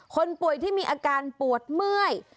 คนป่วยที่มีอาการปวดเมื่อย